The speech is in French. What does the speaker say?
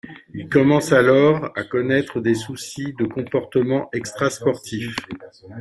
Il commence alors à connaître des soucis de comportement extra-sportif.